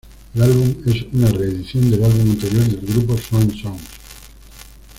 El álbum es una re-edición del álbum anterior del grupo, Swan Songs.